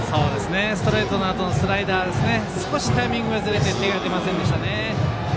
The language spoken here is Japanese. ストレートのあとのスライダーで少しタイミングがずれて手が出ませんでしたね。